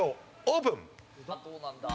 オープン！